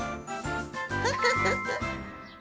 フフフフ。